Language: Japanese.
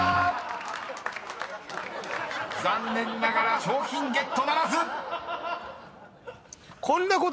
［残念ながら賞品ゲットならず！］